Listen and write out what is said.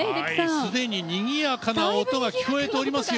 すでに、にぎやかな音が聞こえていますよ。